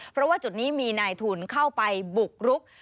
เพราะว่าจุดนี้มีนายทุนเข้าไปบุกรุก